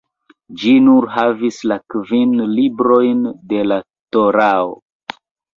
Ĝi nur havis la kvin librojn de la Torao.